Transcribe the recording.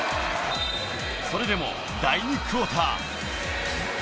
それでも第２クオーター。